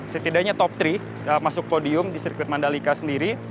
setidaknya top tiga masuk podium di sirkuit mandalika sendiri